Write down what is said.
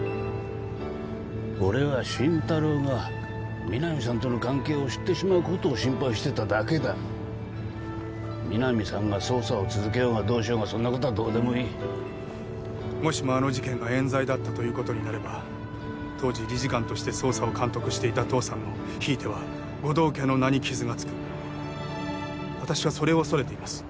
俺は心太朗が皆実さんとの関係を知ってしまうことを心配してただけだ皆実さんが捜査を続けようがどうしようがそんなことはどうでもいいもしもあの事件がえん罪だったということになれば当時理事官として捜査を監督していた父さんのひいては護道家の名に傷がつく私はそれを恐れています